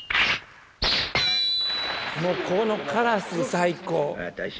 ここのカラス最高。